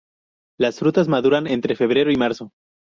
Las frutas maduran entre febrero y marzo.